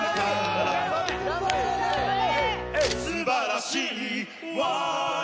頑張れ！